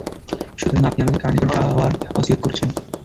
সুতরাং আপনি আমাকে কার নিকট যাওয়ার অসীয়ত করছেন?